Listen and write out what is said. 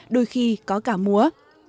đôi khi có cả múa